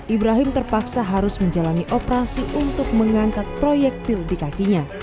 ibrahim terpaksa harus menjalani operasi untuk mengangkat proyektil di kakinya